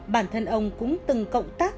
bản thân ông cũng từng cộng tác